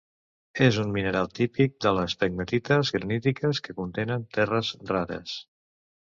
És un mineral típic de les pegmatites granítiques que contenen terres rares.